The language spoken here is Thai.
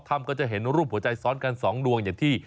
ก็จะเห็นรูปหัวใจซ้อนกัน๒ดวงอย่างที่